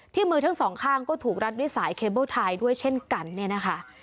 มือทั้งสองข้างก็ถูกรัดด้วยสายเคเบิ้ลไทยด้วยเช่นกันเนี่ยนะคะ